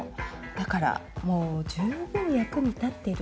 だからもう十分役に立ってる。